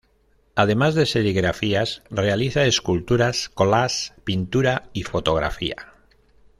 Además de serigrafías, realiza esculturas, collages, pintura y fotografía.